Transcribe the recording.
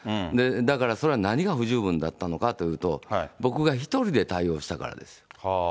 だから、それは何が不十分だったのかというと、僕が１人で対応したからです。